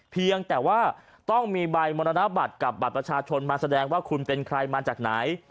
เพียงแต่ว่าต้องมีใบมรณบัตรกับบัตรประชาชนมาแสดงว่าคุณเป็นใครมาจากไหน